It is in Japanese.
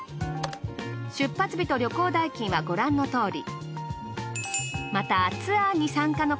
出発日と旅行代金はご覧のとおり。